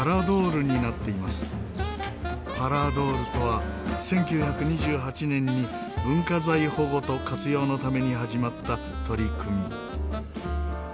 パラドールとは１９２８年に文化財保護と活用のために始まった取り組み。